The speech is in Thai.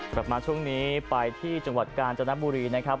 กลับมาช่วงนี้ไปที่จังหวัดกาญจนบุรีนะครับ